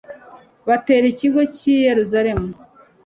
batera ikigo cy'i yeruzalemu